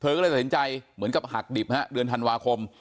ก็เลยตัดสินใจเหมือนกับหักดิบฮะเดือนธันวาคม